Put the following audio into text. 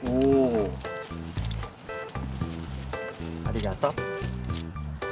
ありがとう。